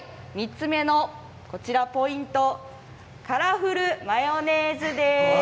３つ目のポイントカラフルマヨネーズです。